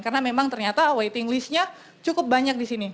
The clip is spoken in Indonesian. karena memang ternyata waiting listnya cukup banyak di sini